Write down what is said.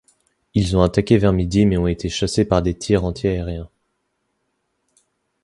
Ils ont attaqué vers midi mais ont été chassés par des tirs antiaériens.